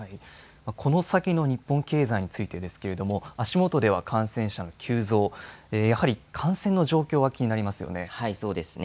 この先の日本経済についてですが足元では感染者急増、やはり感染の状況は気になりますね。